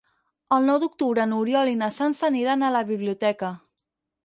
El nou d'octubre n'Oriol i na Sança aniran a la biblioteca.